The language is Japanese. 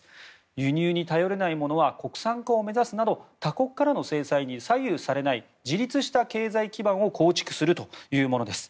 輸入に頼れないものは国産化を目指すなど他国からの制裁に左右されない自立した経済基盤を構築するというものです。